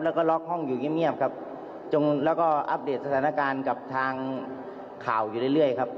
แล้วก็ล็อกห้องอยู่เงียบครับจงแล้วก็อัปเดตสถานการณ์กับทางข่าวอยู่เรื่อยครับ